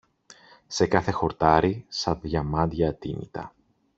σε κάθε χορτάρι, σα διαμάντια ατίμητα.